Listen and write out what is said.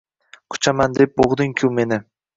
Quchaman deb bo’g’ding-ku meni